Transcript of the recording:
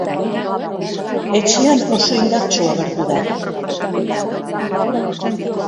Etxean oso indartsu agertu da.